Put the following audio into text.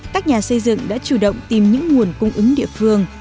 các nhà xây dựng đã chủ động tìm những nguồn cung ứng địa phương